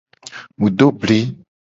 Mu do bli.